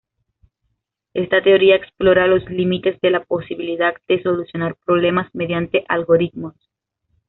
Esta teoría explora los límites de la posibilidad de solucionar problemas mediante algoritmos.